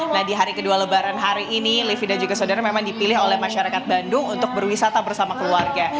nah di hari kedua lebaran hari ini livi dan juga saudara memang dipilih oleh masyarakat bandung untuk berwisata bersama keluarga